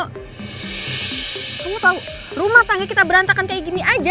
kamu tahu rumah tangga kita berantakan kayak gini aja